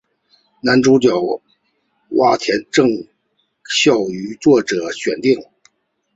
男主演洼田正孝由作者选定。